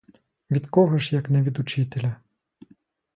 Від кого ж, як не від учителя!